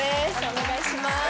お願いします。